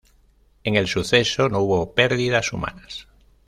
En el suceso no hubo perdidas humanas.